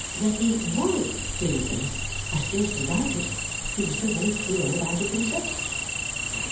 That he WAS free of them, I scarcely doubted; he was so very clear about it himself.